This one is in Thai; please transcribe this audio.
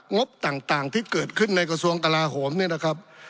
งบต่างที่เกิดขึ้นในกระทรวงกลาโหมเนี่ยนะครับ